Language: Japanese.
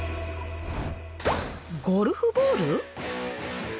ゴルフボール？